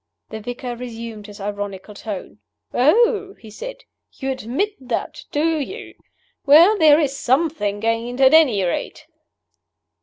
The vicar resumed his ironical tone. "Oh!" he said. "You admit that, do you? Well, there is something gained, at any rate."